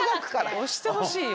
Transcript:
押してほしいよ。